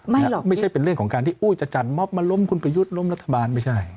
ไม่ใช่เป็นเรื่องของการที่อุ้ยจะจัดมอบมาล้มคุณประยุทธ์ล้มรัฐบาลไม่ใช่